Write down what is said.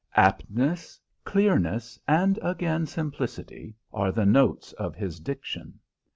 Aptness, clearness, and again, simplicity, are the notes of his diction.